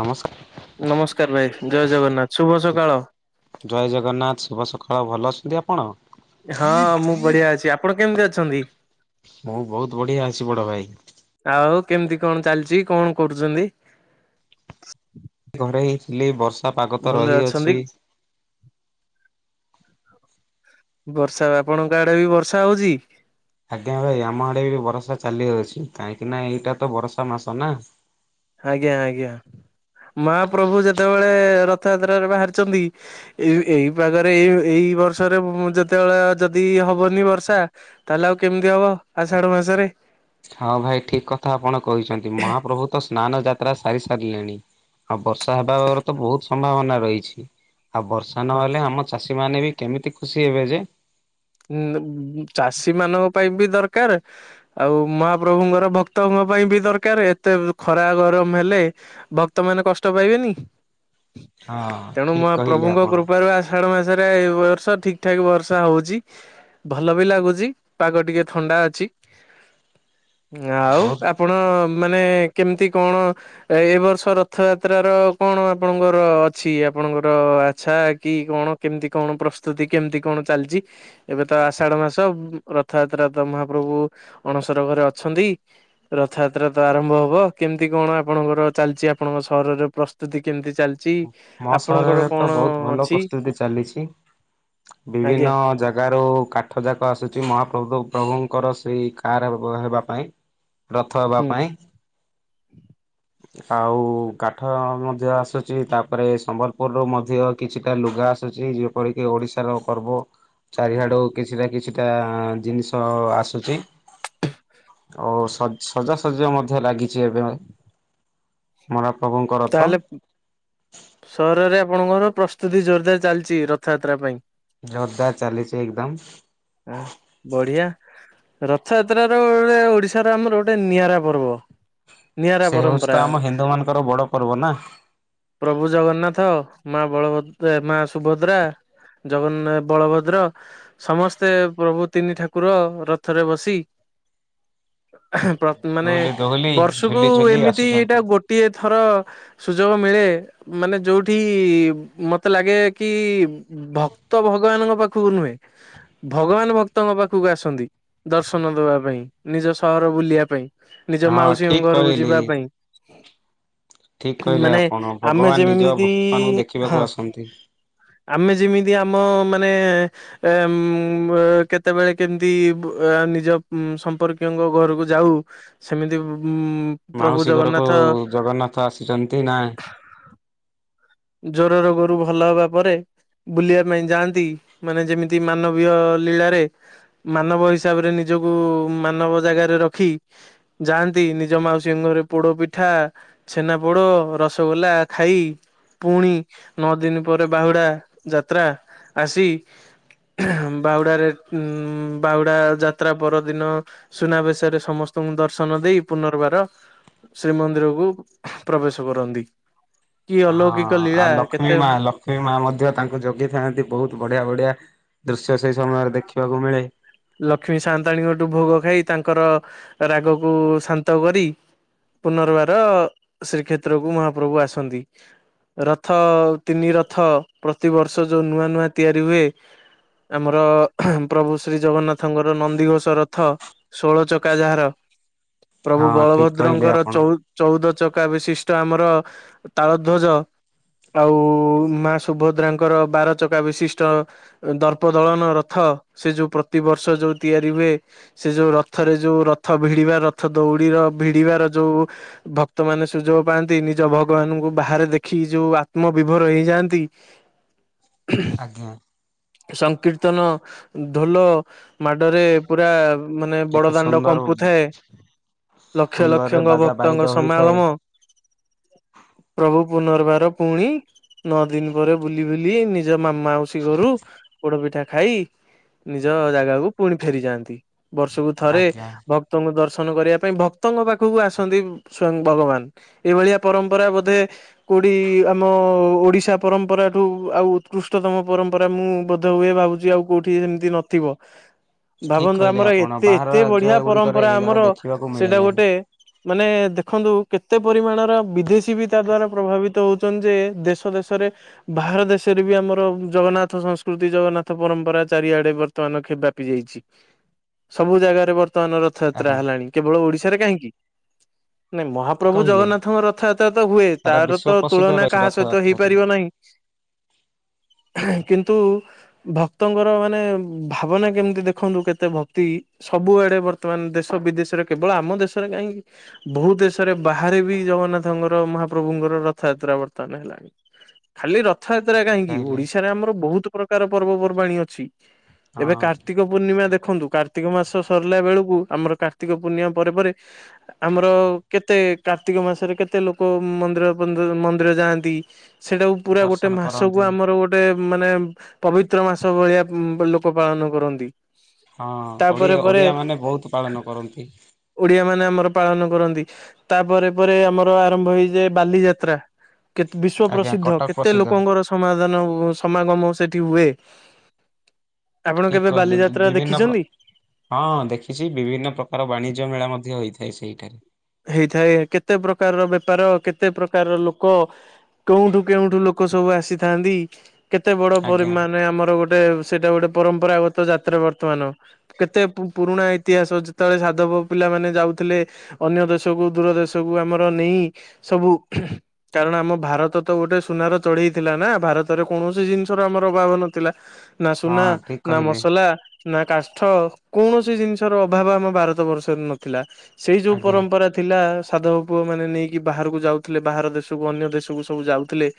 ନମସ୍କାର। ନମସ୍କାର ଭାଇ ଜୟ ଜଗନ୍ନାଥ ଶୁଭ ସକାଳ। ଜୟ ଜଗନ୍ନାଥ ଶୁଭ ସକାଳ ଭଲ ଅଛନ୍ତି ଆପଣ? ହଁ ମୁଁ ବଢିଆ ଅଛି ଆପଣ କେମିତି ଅଛନ୍ତି? ମୁଁ ବହୁତ ବଢିଆ ଆସି ବଡ ଭାଇ। ଆଉ କେମିତି କଣ ଚାଲିଛି କଣ କରୁଛନ୍ତି? ଘରେ ହେଇଥିଲି ବର୍ଷା ପାଗ ତ ଭଲରେ ଅଛନ୍ତି ରହିଅଛି। ବର୍ଷା ଆପଣଙ୍କ ଆଡେ ବି ବର୍ଷା ହଉଛି? ଆଜ୍ଞା ଭାଇ ଆମ ଆଡେ ବି ବର୍ଷା ଚାଲି ଅଛି କାହିଁକି ନା ଏଇଟା ତ ବର୍ଷା ମାସ ନା? ଆଜ୍ଞା ଆଜ୍ଞା ମାହା ପ୍ରଭୁ ଯେତେବେଳେ ରଥଯାତ୍ରାରେ ବାହାରିଛନ୍ତି ଏଇ ଏଇପାଗରେ ଏଇ ଏଇ ବର୍ଷରେ ବ ଯେତେବେଳେ ଯଦି ହବନି ବର୍ଷା ତାହେଲେ ଆଉ କେମିତି ହବ ଆଷାଢ ମାସ ରେ। ହଁ ଭାଇ ଠିକ୍ କଥା ଆପଣ କହିଛନ୍ତି ମହାପ୍ରଭୁ ତ ସ୍ନାନ ଯାତ୍ରା ସାରି ସାରିଲେଣି। ଆଉ ବର୍ଷା ହେବାର ତ ବହୁତ୍ ସମ୍ଭାବନା ରହିଛି। ଆଉ ବର୍ଷା ନହେଲେ ଆମ ଚାଷୀମାନେ ବି କେମିତି ଖୁସି ହେବେ ଯେ। ଉଁ ବ ଚାଷୀ ମାନଙ୍କ ପାଇଁ ବି ଦରକାର୍ ଆଉ ମହାପ୍ରଭୁଙ୍କର ଭକ୍ତଙ୍କ ପାଇଁ ବି ଦରକାର୍ ଏତେ ଖରା ଗରମ ହେଲେ ଭକ୍ତ ମାନ କଷ୍ଟ ପାଇବେନି ହଁ ତେଣୁ ଠିକ କହିଲେ ମହାପ୍ରଭୁଙ୍କ ଆପଣ କୃପାରୁ ଆସ ଆଷାଢ଼ ମାସରେ ଏ ବର୍ଷ ଠିକ୍ ଠାକ୍ ବର୍ଷା ହଉଛି। ଭଲ ବି ଲାଗୁଛି ପାଗ ଟିକେ ଥଣ୍ଡା ଅଛି। ଆଉ ବହୁତ ଆପଣ ମାନେ କେମିତି କଣ ଏ ବର୍ଷ ରଥଯାତ୍ର ର କଣ ଆପଣଙ୍କର ଅଛି ଆପଣଙ୍କର ଆଚ୍ଛା କି କଣ? କେମିତି କଣ ପ୍ରସ୍ତୁତି କେମିତି କଣ ଚାଲିଛି ଏବେ ତ ଆଷାଢ ମାସ ତବ ରଥଯାତ୍ରା ତ ମହାପ୍ରଭୁ ଅଣସର ଘରେ ଅଛନ୍ତି। ରଥଯାତ୍ରା ତ ଆରମ୍ଭ ହବ କେମିତି କଣ ଆପଣଙ୍କର ଚାଲିଛି ଆପଣଙ୍କ ସହରର ପ୍ରସ୍ତୁତି କେମିତି ଚାଲ ମୋ ସହରରେ ତ ବହୁତ୍ ଭଲ ଅଛି ପ୍ରସ୍ତୁତି ଚାଲିଛି। ବିଭିନ୍ନ ଆଜ୍ଞା ଜାଗାରୁ କା କାଠ ଯାକ ଆସୁଛି ମହାପ୍ରଭୁ ପ୍ରଭୁଙ୍କର ସେଇ କାର୍ ବ ହେବା ପାଇଁ। ରଥ ହେବା ହୁଁ ପାଇଁ ଆଉ କାଠ ମଧ୍ୟ ଆସୁ ଚି ତାପରେ ସମ୍ବଲପୁରରୁୁ ମଧ୍ୟ କିଛିଟା ଲୁଗା ଆସୁଛି ଯେପରିକି ଓଡିଶାର ପର୍ବ। ଚାରିହାଡୁ କିଛି ନା କିଛିଟା ଜିନିଷ ଆସୁଛି। [inaudible] ଓ ସଜ ସଜାସଜି ମଧ୍ୟ ଲାଗିଛି ଏବେ ମହାପ୍ରଭୁଙ୍କ ଥର। ତାହେଲେ ସହରରେ ଆପଣଙ୍କର ପ୍ରସ୍ତୁତି ଜୋରଦାର୍ ଚାଲିଛି ରଥଯାତ୍ରା ପାଇଁ। ଜୋରଦାର ଚାଲିଛି ଏକଦମ୍। ଆ ବଢିଆ। ରଥଯାତ୍ରା ର ଗୋଟେ ଓଡ଼ିଶାର ଆମର ଗୋଟିଏ ନିଆରା ପର୍ବ। ନିଆରା ପରମ୍ପରା। ଆମର ବଡ ପର୍ବ ନା? ପ୍ରଭୁ ଜଗନ୍ନାଥ ମା ବଳଭଦ ଏ ମା ସୁଭଦ୍ରା। ଜଗନ୍ନା ଏ ବଳଭଦ୍ର ସମସ୍ତେ ପ୍ରଭୁ ତିନି ଠାକୁର ରଥରେ ବସି ପ୍ର ମାନେ ଦୋହଲି ଦୋହଲି ବର୍ଷକୁ ଝୁଲି ଝୁଲି ଏମିତି ଏଇଟା ଆସୁଛନ୍ତି ଗୋ ଟିଏ ଥର ସୁଯୋଗ ମିଳେ ମାନେ ଯୋଉଠି ମତେ ଲାଗେ କି ଉଁ ଉଁ ଭକ୍ତ ଭଗବାନଙ୍କ ପାଖକୁ ନୁହେଁ ଭଗବାନ୍ ଭକ୍ତଙ୍କ ପାଖକୁ ଆସନ୍ତି ଦର୍ଶନ ଦବା ପାଇଁ ନିଜ ସହର ବୁଲିବା ପାଇଁ। ନିଜ ହଁ ଠିକ ମାଉସୀଙ୍କ ଘରକୁ କହିଲି ଯିବା ପାଇଁ ଠିକ କହିଲେ ମାନେ ଆପଣ ଆମେ ଯେମିତି ହଁ। ସମଥିଙ୍ଗ୍। ଆମେ ଯେମିତି ଆମ ମାନେ ଏ ଉଁ ବ କେତେବେଳେ କେମିତି ବ ନିଜ ଉଁ ସମ୍ପର୍ୟଙ୍କ ଘରକୁ ଯାଉ ସେମିତି ବୁ ଉଁ ମାଉସୀ ଘରକୁ ଜଗନ୍ନାଥ ଆସିଛନ୍ତି ନା ଜ୍ଵର ରୋଗରୁ ଭଲ ହବା ପରେ ବୁଲିବା ପାଇଁ ଯାଆନ୍ତି ମାନେ ଯେମିତି ମାନବୀୟ ଲୀଳାରେ ମାନବ ହିସାବରେ ନିଜକୁ ମାନବ ଜାଗାରେ ରଖି ଯାଆନ୍ତି ନିଜ ମାଉସୀ ଘରେ ପୋଡ ପିଠା ଛେନା ପୋଡ ରସଗୋଲା ଖାଇ ପୁଣି ନଅ ଦିନ ପରେ ବାହୁଡା ଯାତ୍ରା ଆସି ବାଉଡ଼ାରେ ବାଉଡ଼ା ଯାତ୍ରା ପରଦିନ ସୁନାବେଶରେ ସମସ୍ତଙ୍କୁ ଦର୍ଶନ ଦେଇ ପୁନର୍ବାର ଶ୍ରୀମନ୍ଦିରକୁ ପ୍ରବେଶ କରନ୍ତି କି ହଁ ଅଲୌକିକ ଲୀଳା ଆଉ ଲକ୍ଷ୍ମୀ କେତେ ମା ଲକ୍ଷ୍ମୀ ମା ମଧ୍ୟ ତାଙ୍କୁ ଜଗେଇଥାନ୍ତି ବହୁତ ବଢିଆ ବଢିଆ ଦୃଶ୍ୟ ସେଇ ସମୟରେ ଦେଖିବାକୁ ମିଳେ ଲକ୍ଷ୍ମୀ ସାଆନ୍ତାଣୀଙ୍କଠୁ ଭୋଗ ଖାଇ ତାଙ୍କର ରାଗକୁ ଶାନ୍ତ କରି ପୁନର୍ବାର ଶ୍ରୀକ୍ଷେତ୍ରକୁ ମହାପ୍ରଭୁ ଆସନ୍ତି। ରଥ ତିନି ରଥ ପ୍ରତିବର୍ଷ ଯୋଉ ନୂଆ ନୂଆ ତିଆରି ହୁଏ। ଆମର ପ୍ରଭୁ ସ ଶ୍ରୀ ଜଗନ୍ନାଥଙ୍କର ନନ୍ଦିଘୋଷ ରଥ ଷୋଳ ଚକା ଯାହାର ପ୍ରଭୁ ହଁ ଠିକ କହିଲେ ବଳଭଦ୍ରଙ୍କର ଆପଣ ଚ ଚଉଦ ଚକା ବିଶିଷ୍ଟ ଆମର ତାଳଧ୍ୱଜ ଆଉ ମା ସୁଭଦ୍ରାଙ୍କର ବାରଚକା ବିଶିଷ୍ଟ ଦର୍ପ ଦଳନ ରଥ ସେ ଯୋଉ ପ୍ରତିବର୍ଷ ଯୋଉ ତିଆରି ହୁଏ। ସେ ଯୋଉ ରଥରେ ଯୋଉ ରଥ ଭିଡିବା ରଥ ଦଉଡିର ଭିଡିବାର ଯୋଉ ଭକ୍ତ ମାନେ ସୁଯୋଗ ପାଆନ୍ତି ନିଜ ଭଗବାନଙ୍କୁ ବାହାରେ ଦେଖି ଯୋଉ ଆତ୍ମ ବିିଭୋର ହେଇଯାଆନ୍ତି ଉ ହୁ ଆଜ୍ଞା ସଂକୀର୍ତ୍ତନ ଢୋଲ ମାଡରେ ପୁରା ମାନେ କେତେ ବଡ ଦାଣ୍ଡ ସୁନ୍ଦର କମ୍ପୁଥାଏ। ଲକ୍ଷ ସୁନ୍ଦରରେ ଲକ୍ଷଙ୍କ ବାଜା ବାଇଦ ଭକ୍ତଙ୍କ ହୋଇଥାଏ ସମାଲମ ପ୍ରଭୁ ପୁନର୍ବାର ପୁଣି ନଅ ଦିନ ପରେ ବୁଲି ବୁଲି ନିଜ ମାମା ମାଉସି ଘରୁ ପୋଡ ପିଠା ଖାଇ ନିଜ ଜାଗାକୁ ପୁଣି ଫେରିଯାଆନ୍ତି ବର୍ଷକୁ ଥରେ ଆଜ୍ଞା। ଭ ଭକ୍ତଙ୍କୁ ଦର୍ଶନ କରିବା ପାଇଁ ଭକ୍ତଙ୍କ ପାଖକୁ ଆସନ୍ତି ସ୍ଵୟଂ ଭଗବାନ ଏଇଭଳିଆ ପରମ୍ପରା ବୋଧେ କୋଉଠି ଆମ ଓଡିଶା ପରମ୍ପରାଠୁ ଆଉ ଉତ୍କୃଷ୍ଟତମ ପରମ୍ପରା ମୁଁ ବଧ ହୁଏ ଭାବୁ ଆଉ କୋଉଠି ସେମତି ନଥିବ ଠିକ ଭାବନ୍ତୁ କହିଲେ ଆମର ଆପଣ ଏତେ ବାହାର ଏତେ ରାଜ୍ୟ ବଢିଆ ଗୁଡିକରେ ପରମ୍ପରା ଏଇ ଯାକ ଆମର ଦେଖିବାକୁ ମିଳେ ସେଇଟା ନାହିଁ ଗୋଟେ ମାନେ ଦେଖନ୍ତୁ କେତେ ପରିମାଣର ବିଦେଶୀ ବି ତା ଦ୍ଵାରା ପ୍ରଭାବିତ ହଉ ନ୍ତି ଯେ ଦେଶ ଦେଶରେ ବାହାର ଦେଶରେ ବି ଆମର ଜଗନ୍ନାଥ ସଂସ୍କୃତି ଜଗନ୍ନାଥ ପରମ୍ପରା ଚାରିଆ ବର୍ତ୍ତମାନବାପି ଯାଇଛି ସବୁ ଜାଗାରେ ବର୍ତ୍ତମାନ ରଥଯାତ୍ରା ଆଜ୍ଞା। ହେଲାଣି କେବଳ ଓଡିଶାରେ କାହିଁକି ନାଇଁ ମହାପ୍ରଭୁ କହିଲେ ଜଗନ୍ନାଥଙ୍କ ରଥଯାତ୍ରା ତ ହୁଏ ସାରା ତାର ବିଶ୍ଵ ତ ପ୍ରସିଦ୍ଧ ତୁଳନା ରହିଛି କାହା ସହିତ ରଥଯାତ୍ରାଟି ହେଇପାରିବ ନାହିଁ। କିନ୍ତୁ ଭକ୍ତଙ୍କର ମାନେ ଭାବନା କେମିତି ଦେଖନ୍ତୁ କେତେ ଭକ୍ତି ସବୁଆଡେ ବର୍ତ୍ତମାନ ଦେଶ ବିଦେଶରେ କେବଳ ଆମ ଦେଶରେ କାହିଁକି ବହୁତ ଦେଶରେ ବାହାରେ ବି ଜଗନ୍ନାଥଙ୍କର ମହାପ୍ରଭୁଙ୍କର ରଥଯାତ୍ରା ବର୍ତ୍ତମାନ ହେଲାଣି ଖାଲି ରଥଯାତ୍ରା କାହିଁକି କହିଲେ ଓଡିଶାରେ ଆମର ବହୁତ ପ୍ରକାର ପର୍ବପର୍ବାଣୀ ଅଛି। ଏବେ ହଁ କାର୍ତ୍ତି କ ପୂର୍ଣ୍ଣିମା ଦେଖନ୍ତୁ କାର୍ତ୍ତିକ ମାସ ସରିଲା ବେଳକୁ ଆମର କାର୍ତ୍ତିକ ପୂର୍ଣ୍ଣିମା ପରେ ପରେ ଆମର କେତେ କାର୍ତ୍ତିକ ମାସରେ କେତେ ଲୋକ ମନ୍ଦିର ପନ୍ଦ ମନ୍ଦିର ଯାଆନ୍ତି। ସେଇଟାକୁ ପୁରା ଗୋଟେ ଦର୍ଶନ ମାସକୁ କରନ୍ତି ଆମର ଗୋଟେ ମାନେ ପବିତ୍ର ମାସ ଭଳିଆ ହୁଁ ପା ଲୋକ ପାଳନ କରନ୍ତି। ହଁ ତାପରେ ଓଡ଼ିଆ ଓଡ଼ିଆମାନେ ବହୁତୁ ପାଳନ କରନ୍ତି। ଓଡ଼ିଆ ମାନେ ଆମର ପାଳନ କରନ୍ତି ତାପରେ ପରେ ଆମର ଆରମ୍ଭ ହେଇଯାଏ ବାଲିଯାତ୍ରା। କେତ୍ ବିଶ୍ଵ ଆଜ୍ଞା ପ୍ରସିଦ୍ଧ କଟକ କେତେ ପ୍ରସିଦ୍ଧ ଲୋକଙ୍କର ସମାଧାନ ସମାଗମ ସେଠି ହୁଏ ଆପଣ ଠିକ୍ କେବେ କହିଲେ ବାଲିଯାତ୍ରା ବିଭିନ୍ନ ପ୍ର ଦେଖିଛନ୍ତି? ହଁ ଦେଖିଛି ବିଭିନ୍ନ ପ୍ରକାର ବାଣିଜ୍ୟ ମେଳା ମଧ୍ୟ ହୋଇଥାଏ ସେଇଠାରେ। ହେଇଥାଏ କେତେ ପ୍ରକାରର ବେପାର କେତେ ପ୍ରକାରର ଲୋକ କଉଠୁଁ କେଉଁଠୁ ଲୋକ ସବୁ ଆସିଥାଆନ୍ତି କେତେ ବଡ଼ ଆଜ୍ଞା। ପରିମାଣରେ ଆମର ଗୋ ଟେ ସେଇଟା ଗୋଟେ ପରମ୍ପରାଗତ ଯାତ୍ରା ବର୍ତ୍ତମାନ। କେତେ ପୁ ପୁରୁଣା ଇତିହାସ ଯେତେବେଳେ ସାଧବ ପିଲା ମାନେ ଯାଉଥିଲେ ଅନ୍ୟ ଦେଶକୁ ଦୂର ଦେଶକୁ ଆମର ନେଇ। ସବୁ କାରଣ ଆମ ଭାରତ ତ ଗୋଟେ ସୁନାର ଚଢେଇଥିଲା ନା ଭାରତରେ କୌଣସି ଜିନିଷର ଆମର ଅଭାବ ନଥିଲା ନା ସୁନା ହଁ ଠିକ ନା କହିଲେ ମସଲା ନା କାଠ କୌଣସି ଜିନିଷର ଅଭାବ ଆମ ଭାରତ ବର୍ଷରେ ନଥିଲା ସେଇ ଯୋଉ ଆଜ୍ଞା ପରମ୍ପରା ଥିଲା ସାଧବ ପୁଅ ମାନେ ନେଇକି ବାହାରକୁ ଯାଉଥିଲେ ବାହାର ଦେଶକୁ ଅନ୍ୟ ଦେଶକୁ ସବୁ ଯାଉଥିଲେ।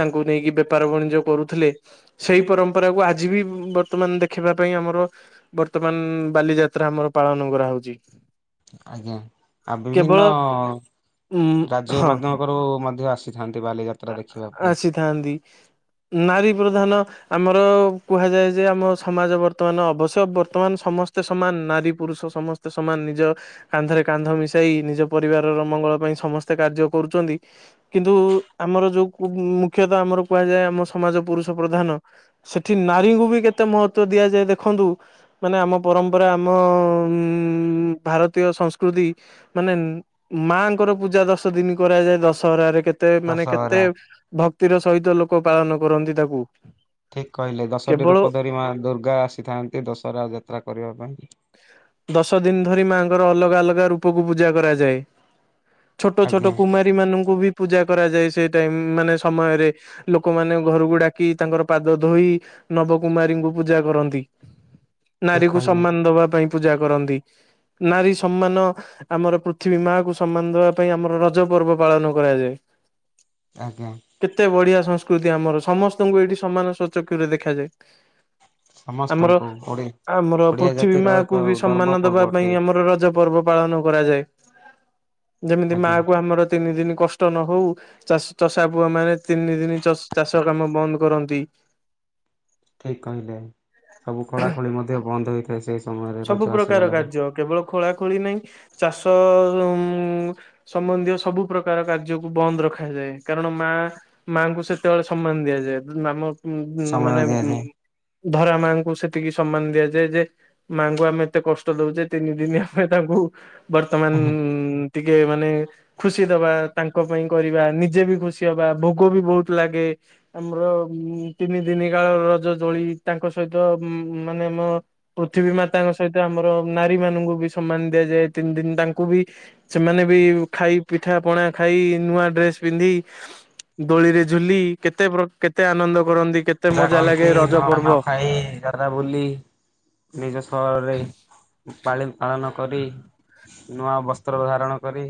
ତାଙ୍କୁ ନେଇକି ବେପାର ବାଣିଜ୍ୟ କରୁଥିଲେ ସେଇ ପରମ୍ପରାକୁ ଆଜି ବି ବର୍ତ୍ତମାନ ଦେଖିବା ପାଇଁ ଆମର ବର୍ତ୍ତମାନ ବାଲିଯାତ୍ରା ଆମର ପାଳନ କରାହଉଛି। ଆଜ୍ଞା ଆଉ କେବଳ ବିଭିନ୍ନ ଉ ରାଜ୍ୟ ହଁ ମାଧ୍ୟମଙ୍କ ରୁ ମଧ୍ୟ ଆସ ଥାନ୍ତି ବାଲିଯା ଆସିଥାନ୍ତି। ନାରୀ ପ୍ରଧାନ ଆମର କୁହାଯାଏ ଯେ ଆମ ସମାଜ ବର୍ତ୍ତମାନ ଅବଶ୍ୟ ବର୍ତ୍ତମାନ ସମସ୍ତେ ସମାନ ନାରୀ ପୁରୁଷ ସମସ୍ ସ୍ତେ ସମାନ ନିଜ କାନ୍ଧରେ କାନ୍ଧ ମିଶାଇ ନିଜ ପରିବାରର ମଙ୍ଗଳ ପାଇଁ ସମସ୍ତେ କାର୍ଯ୍ୟ କରୁଛନ୍ତି କିନ୍ତୁ ଆମର ଯୋଉ ମୁଖ୍ୟତଃ ଆମର କୁହାଯାଏ ଆମ ସମାଜ ପୁରୁଷ ପ୍ରଧାନ ସେଠି ନାରୀଙ୍କୁ ବି କେତେ ମହତ୍ତ୍ଵ ଦିଆଯାଏ ଦେଖନ୍ତୁ ମାନେ ଆମ ପରମ୍ପରା ଆମ ଭାରତୀୟ ସଂସ୍କୃତି ମାନେ ମାଙ୍କର ପୂଜା ଦଶ ଦିନି କରାଯାଏ ଦଶହରାରେ କେତେ ମାନେ କେତେ ଦଶହରା ଭକ୍ତିର ସହିତ ଲୋକ ପାଳନ କରନ୍ତି ତାକୁ ଠିକ୍ କହିଲେ ଦଶଟି କେବଳ ରୂପ ଧରି ମା ଦୁର୍ଗା ଆସିଥାନ୍ତି ଦଶହରା ଯାତ୍ରା କରିବା ପାଇଁ। ଦଶ ଦିନ ଧରି ମାଆଙ୍କର ଅଲଗା ଅଲଗା ରୂପକୁ ପୂଜା କରାଯାଏ। ଛୋଟ ଛୋଟ ଆଜ୍ଞା କୁମାରୀ ମାନଙ୍କୁ ବି ପୂଜା କରାଯାଏ ସେ ଟାଇମ ମାନେ ସମୟରେ ଲୋକମାନେ ଘରକୁ ଡାକି ତାଙ୍କର ପାଦ ଧୋଇ ନବ କୁମାରୀଙ୍କୁ ପୂଜା କରନ୍ତି। ଠିକ ନାରୀକୁ କହିଲେ ସମ୍ମାନ ଦବା ପାଇଁ ପୂଜା କରନ୍ତି ନାରୀ ସମ୍ମାନ ଆମର ପୃଥିବୀ ମା କୁ ସମ୍ମାନ ଦବା ପାଇଁ ଆମର ରଜ ପର୍ବ ପାଳନ କରାଯାଏ। ଆଜ୍ଞା। କେତେ ବଢ଼ିଆ ସଂସ୍କୃତି ଆମର ସମସ୍ତଙ୍କୁ ଏଇଠି ସମାନ ସଚକ୍ଷୁ ରେ ଦେଖାଯାଏ। ଆମର ସମସ୍ତଙ୍କୁ ଓଡି ଆମର ଓଡିଆ ପୃଥିବୀ ମା ଜାତିର ଏକ କୁ ବି ଗର୍ବ ସମ୍ମାନ ପର୍ବ ଦବା ଅଟେ ପାଇଁ ଆମର ରଜ ପର୍ବ ପାଳନ କରାଯାଏ। ଯେମିତି ମା ଆଜ୍ଞା। କୁ ଆମର ତିନି ଦିନ କଷ୍ଟ ନ ହଉ ଚାଷ ଚଷା ପୁଅ ମାନେ ତିନି ଦିନ ଚାଷ କାମ ବନ୍ଦ କରନ୍ତି। ଠିକ୍ କହିଲେ ସବୁ ଖୋଳାଖୋଳି ମଧ୍ୟ ବନ୍ଦ ହୋଇଥାଏ ସେହି ସମୟରେ ସବୁ ରଜ ପ୍ରକାର ଆସିଗଲା କାର୍ଯ୍ୟ କେବଳ ଖୋଳା ଖୋଳି ନାଇଁ ଚାଷ ହୁଁ ସମ୍ବନ୍ଧୀୟ ସବୁ ପ୍ରକାର କାର୍ଯ୍ୟକୁ ବନ୍ଦ ରଖା ଖାଯାଏ କାରଣ ମା ମାଆଙ୍କୁ ସେତେବେଳେ ସମ୍ମାନ ଦିଆଯାଏ [unintelligible] ନାମ ଉଁ ଉଁ ମାନେ ସମୟ ଉଁ ଦିଆଯାଏ। ଧରା ମାଙ୍କୁ ସେତିକି ସମ୍ମାନ ଦିଆଯାଏ ଯେ ମାଙ୍କୁ ଆମେ ଏତେ କଷ୍ଟ ଦଉଚେ ତିନି ଦିନି ଆମେ ତାଙ୍କୁ ବର୍ତ୍ତମାନ ଟିକେ ମାନେ ଖୁସି ଦବା ତାଙ୍କ ପାଇଁ କରିବା। ନିଜେ ବି ଖୁସି ହବା ଭୋଗ ବି ବୋହୁତ ଲାଗେ। ଆମର ଉଁ ତିନି ଦିନି କାଳ ରଜ ଜୋଳି ତାଙ୍କ ସହିତ ଉଁ ମାନେ ଆମ ପୃଥିବୀ ମାତାଙ୍କ ସହିତ ଆମର ନାରୀମାନୁଙ୍କୁ ବି ସମ୍ମାନ ଦିଆଯାଏ ତିନି ଦିନ ତାଙ୍କୁ ବି ସେମାନେ ବି ଖାଇ ପିଠା ପଣା ଖାଇ ନୂଆ ଡ୍ରେସ୍ ପିନ୍ଧି ଦୋଳିରେ ଝୁଲି କେତେ ପ୍ର କେତେ ଆନନ୍ଦ କରନ୍ତି କେ ପୂଜା କରନ୍ତି ନୂଆ ପାନ ଖାଇ ଯାତ୍ରା ବୁଲି ନିଜ ସହରରେ ପାଳି ପାଳନ କରି ନୂଆ ବସ୍ତ୍ର ଧାରଣ କରି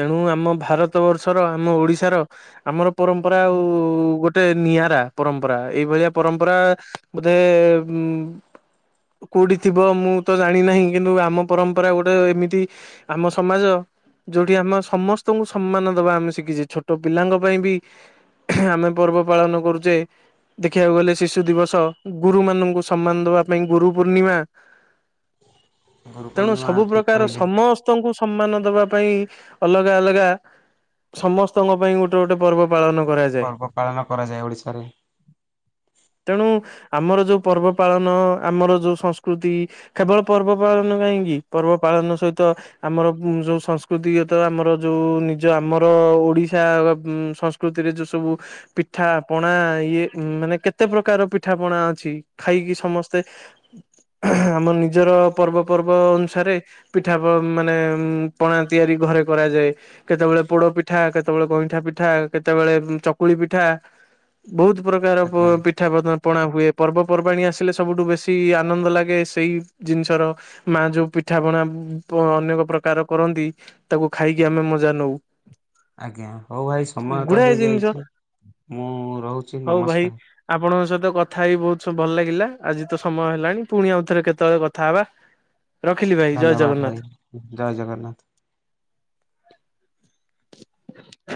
ତେଣୁ ଆମ ଭାରତ ବର୍ଷର ଆମ ଓଡିଶାର ଆମର ପରମ୍ପରା ଆଉ ଗୋଟେ ନିଆରା ପରମ୍ପରା ଏଇ ଭଳିଆ ପରମ୍ପରା ବୋଧେ ଉଁ କୋଉଠି ଥିବ ମୁଁ ତ ଜାଣି ନାହିଁ କିନ୍ତୁ ଆମ ପରମ୍ପରା ଗୋଟେ ଏମିତି ଆମ ସମାଜ ଯୋଉଠି ଆମ ସମସ୍ତଙ୍କୁ ସମ୍ମାନ ଦବା ଆମେ ଶିଖିଚେ ଛୋଟ ପିଲାଙ୍କ ପାଇଁ ବି ଆମେ ପର୍ବ ପାଳନ କରୁଚେ। ଦେଖିବାକୁ ଗଲେ ଶିଶୁ ଦିବସ ଗୁରୁମାନଙ୍କୁ ସମ୍ମାନ ଦବା ପାଇଁ ଗୁରୁ ପୂର୍ଣ୍ଣିମା ଗୁରୁ ତେଣୁ ପୂର୍ଣ୍ଣିମା ସବୁ ଠିକ୍ ପ୍ରକାର କହିଲେ ସମସ୍ତଙ୍କୁ ସମ୍ମାନ ଦବା ପାଇଁ ଅଲଗା ଅଲଗା ସମସ୍ତଙ୍କ ପାଇଁ ଗୋଟେ ଗୋଟେ ପର୍ବ ପାଳନ କରାଯ୍ ପର୍ବ ପାଳନ କରାଯାଏ ଓଡିଶାରେ। ତେଣୁ ଆମର ଯୋଉ ପର୍ବ ପାଳନ ଆମର ଯୋଉ ସଂସ୍କୃତି କେବଳ ପର୍ବ ପାଳନ କାହିଁକି ପର୍ବ ପାଳନ ସହିତ ଆମର ଉଁ ଯୋଉ ସଂସ୍ କୃତିଗତ ଆମର ଯୋଉ ନିଜ ଆମର ଓଡିଶା ଉଁ ସଂସ୍କୃତିରେ ଯୋଉ ସବୁ ପିଠା ପଣା ଇଏ ଉଁ ମାନେ କେତେ ପ୍ରକାର ପିଠା ପଣା ଅଛି। ଖାଇକି ସମସ୍ତେ ଆମ ନିଜର ପର୍ବ ପର୍ବ ଅନୁସାରେ ପିଠା ପ ମାନେ ଉଁ ପଣା ତିଆରି ଘରେ କରାଯାଏ। କେତେବେଳେ ପୋଡ ପିଠା କେତେବେଳେ ଗଇଁଠା ପିଠା କେତେବେଳେ ଉଁ ଚକୁଳି ପିଠା ବୋହୁତୁ ପ୍ରକାର ପୋ ଆଜ୍ଞା ପି ପିଠା [unintelligible] ପଣା ହୁଏ ପର୍ବପର୍ବାଣି ଆସିଲେ ସବୁଠୁ ବେଶୀ ଆନନ୍ଦ ଲାଗେ ସେଇ ଜିନିଷର ମା ଯୋଉ ପିଠାପଣା ଉଁ ପ ଅନେକ ପ୍ରକାର କରନ୍ତି। ତବୁ ଖାଇକି ଆମେ ମଜା ନଉ। ଆଜ୍ଞା ହଉ ଭାଇ ସମୟ ତ ଗୁଡାଏ ଜିନିଷ ହେଇଯାଇଛି ମୁଁ ରହୁଛି ହଉ ଭାଇ ନମସ୍କାର। ଆପଣଙ୍କ ସହିତ କଥା ହେଇ ବୋହୁତ ସ ଭଲ ଲାଗିଲା ଆଜି ତ ସମୟ ହେଲାଣି ପୁଣି ଆଉଥରେ କେତେବେଳେ କଥା ହବା। ରଖିଲି ଭାଇ ଜୟ ଧନ୍ୟବାଦ ଜଗନ୍ନାଥ। ଭାଇ ଉଁ ଜୟ ଜଗନ୍ନାଥ।